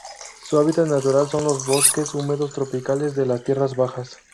Su hábitat natural son los bosques húmedos tropicales de las tierras bajas.